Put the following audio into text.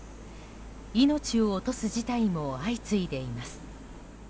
命を落とす事態も相次いでいます。